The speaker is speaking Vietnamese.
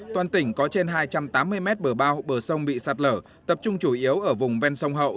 toàn tỉnh có trên hai trăm tám mươi mét bờ bao bờ sông bị sạt lở tập trung chủ yếu ở vùng ven sông hậu